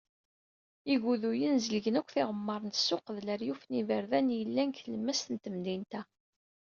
Iguduyen, zelgen yakk tiɣmar n ssuq d leryuf n yiberdan yellan deg tlemmast n temdint-a.